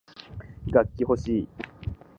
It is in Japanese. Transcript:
楽器ほしい